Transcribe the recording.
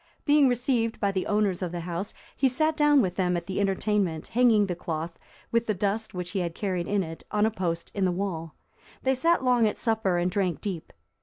Being received by the owners of the house, he sat down with them at the entertainment, hanging the cloth, with the dust which he had carried in it, on a post in the wall. They sat long at supper and drank deep.